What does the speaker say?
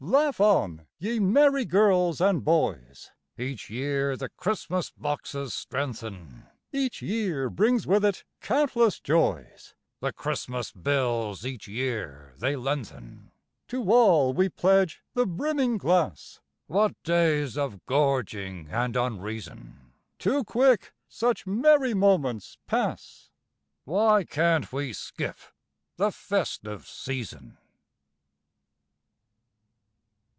_) Laugh on, ye merry girls and boys! (Each year the Christmas boxes strengthen,) Each year brings with it countless joys; (The Christmas bills each year they lengthen.) To all we pledge the brimming glass! (What days of gorging and unreason!) Too quick such merry moments pass (_Why can't we skip the "festive season"?